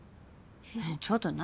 ちょっと何？